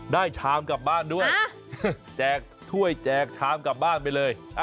ชามกลับบ้านด้วยแจกถ้วยแจกชามกลับบ้านไปเลย